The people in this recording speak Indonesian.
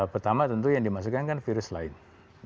pertama tentu yang dimasukkan kan virus lain